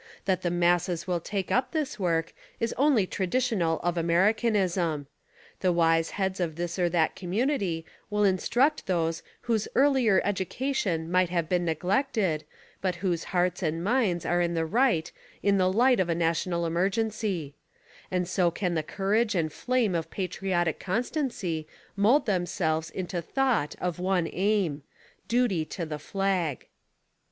That the masses will take up this work is only traditional of Americanism. _ The wise heads of this or that community will instruct those whose earlier education mig'ht have been neglected, but whose hearts and minds are in the right in the hght of a national emergency; and so can the courage and flame of patriotic constancy mould themselves into thought of one aim : Duty to the flag.